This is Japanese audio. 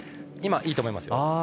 いいと思います。